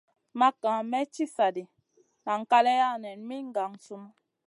Makŋa may ci sa ɗi nan kaleya nen min gangsunu.